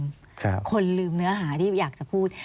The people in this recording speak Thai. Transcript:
คนลืมเนื้อหาที่อยากจะพูด